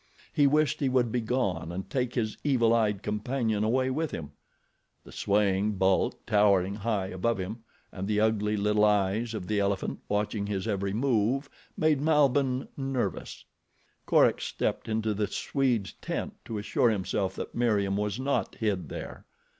He wished he would be gone and take his evil eyed companion away with him. The swaying bulk towering high above him, and the ugly little eyes of the elephant watching his every move made Malbihn nervous. Korak stepped into the Swede's tent to assure himself that Meriem was not hid there.